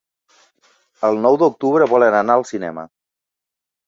El nou d'octubre volen anar al cinema.